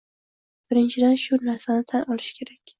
Birinchidan, shu narsani tan olish kerak.